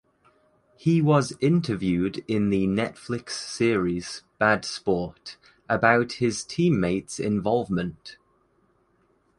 He was interviewed in the Netflix series "Bad Sport" about his teammates involvement.